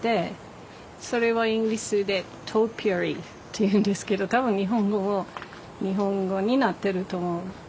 それはイギリスでトピアリーっていうんですけど多分日本語になってると思う。